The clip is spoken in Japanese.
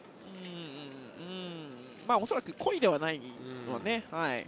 恐らく故意ではないのはね。